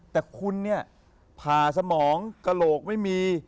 แต่คุณเนี่ยผ่าสมองกระโหลกไม่มี